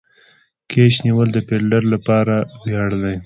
کېچ نیول د فیلډر له پاره ویاړ دئ.